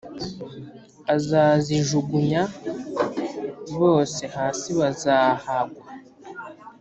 azazijugunya, bose hasi bazahagwa